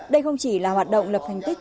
đây không chỉ là hoạt động lập thành tích